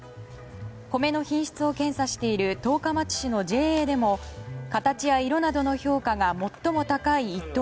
米の品質を検査している十日町市のＪＡでも形や色などの評価が最も高い一等